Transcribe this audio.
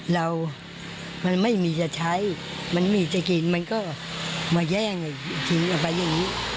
เรามันไม่มีจะใช้มันมีจะกินมันก็มาแย่งทิ้งเอาไว้อย่างนี้